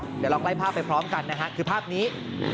เดี๋ยวลองไล่ภาพไปพร้อมกันนะฮะคือภาพนี้